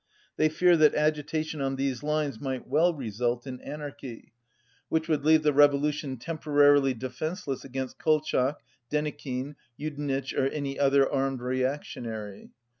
They fear that agitation on these lines 199 might well result in anarchy, which would leave the revolution temporarily defenceless against Kolchak, Denikin, Judenitch or any other armed reactionary.